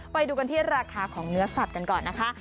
ไปดูกันที่ราคาของเนื้อสัตว์กันก่อนนะคะ